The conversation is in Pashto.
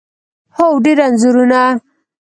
هو، ډیر انځورونه